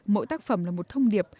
mỗi tác phẩm là một thông điệp